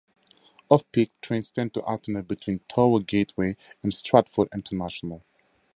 Off-peak, trains tend to alternate between Tower Gateway and Stratford International.